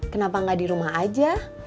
kenapa nggak di rumah aja